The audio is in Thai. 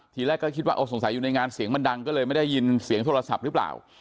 ทีแรกก็คิดว่าสงสัยอยู่ในงานเสียงมันดังก็เลยไม่ได้ยินเสียงโทรศัพท์หรือเปล่า